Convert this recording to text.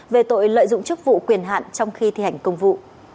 về tội lợi dụng chức vụ quyền hạn trong khi thi hành công vụ